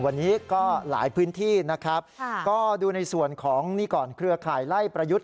แล้วก็หลายพื้นที่ดูด้วยในส่วนของเครือข่ายไล่ประยุทธ์